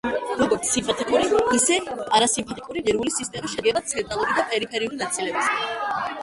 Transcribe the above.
როგორც სიმპათიკური, ისე პარასიმპათიკური ნერვული სისტემა შედგება ცენტრალური და პერიფერიული ნაწილებისგან.